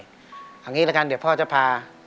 เอาอย่างนี้ละกันเดี๋ยวพ่อจะพา